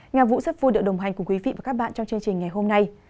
nhà vũ rất vui được đồng hành cùng quý vị và các bạn trong chương trình ngày hôm nay